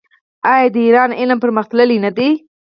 آیا د ایران علم پرمختللی نه دی؟